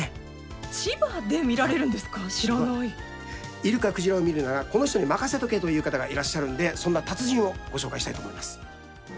イルカクジラを見るならこの人に任せとけ！という方がいらっしゃるのでそんな達人を紹介したいと思います。